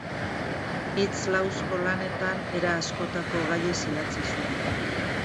Hitz lauzko lanetan era askotako gaiez idatzi zuen.